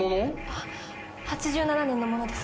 あ８７年のものですが。